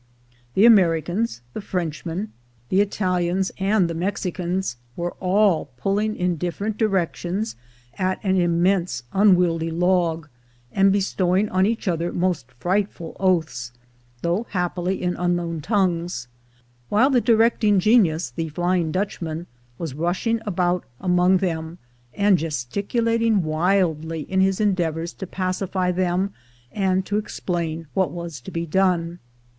The Americans, the Frenchmen, the 232 THE GOLD HUNTERS Italians, and the ^lexicans, were all pulling in difterent directions at an immense unwieldy log, and bestowing on each other most frightful oaths, though happily in unknown tongues; while the directing genius, the Flying Dutchman, was rushing about among them, and gesticulating wildly in his endeavors to pacif>" them, and to explain what was to be done.